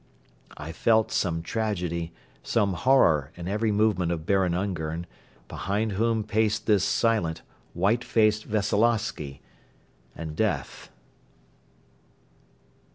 I felt some tragedy, some horror in every movement of Baron Ungern, behind whom paced this silent, white faced Veseloffsky and Death.